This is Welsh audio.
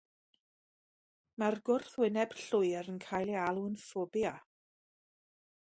Mae'r gwrthwyneb llwyr yn cael ei alw'n ffobia.